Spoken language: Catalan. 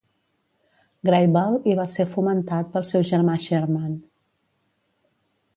Grable i va ser fomentat pel seu germà Sherman.